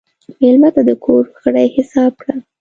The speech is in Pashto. مېلمه ته د کور غړی حساب کړه.